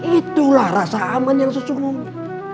itulah rasa aman yang sesungguhnya